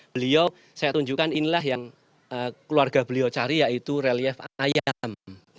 beliau saya tunjukkan inilah yang keluarga beliau cari yaitu relief ayam